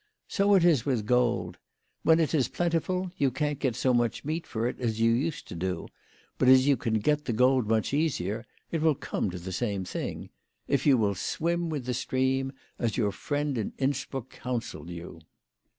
So it is with gold. When it is plentiful, you can't get so much meat for it as you used to do ; but, as you can get the gold much easier, it will come to the same thing, if you will swim with the stream, as your friend in Innsbruck counselled you."